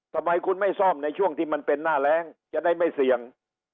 ทำไมคุณไม่ซ่อมในช่วงที่มันเป็นหน้าแรงจะได้ไม่เสี่ยง